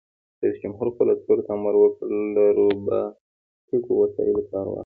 رئیس جمهور خپلو عسکرو ته امر وکړ؛ له روباټیکو وسایلو کار واخلئ!